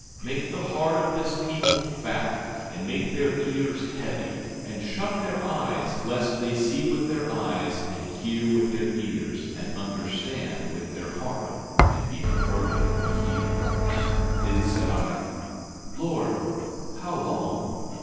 16:10 Make the heart of this people fat, and make their ears heavy, and shut their eyes—lest they see with their eyes, and hear with their ears, and understand with their heart, and be converted and be healed. 16:11 Then said I: Lord, how long?